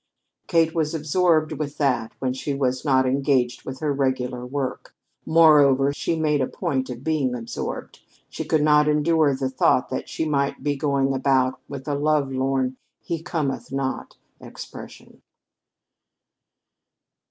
Kate was absorbed with that when she was not engaged with her regular work. Moreover, she made a point of being absorbed. She could not endure the thought that she might be going about with a love lorn, he cometh not expression.